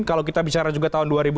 kalau kita bicara juga tahun dua ribu